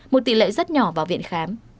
một tỷ lệ rất nhỏ vào viện khám